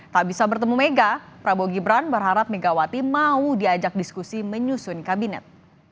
tak bisa bertemu mega prabowo gibran berharap megawati mau diajak diskusi menyusun kabinet